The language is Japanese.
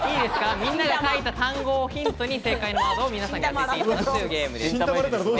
みんなが書いた単語をヒントに正解のワードを皆さんに当てていただくというゲームです。